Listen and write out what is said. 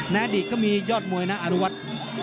อดีตก็มียอดมวยนะอนุวัฒน์